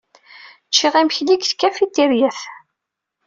Ččiɣ imekli deg tkafitiryat.